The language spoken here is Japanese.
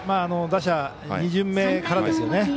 打者２巡目からですよね。